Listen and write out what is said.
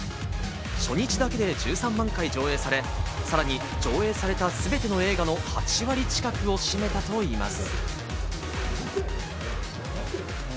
初日だけで１３万回上映され、さらに上映された全ての映画の８割近くを占めたといいます。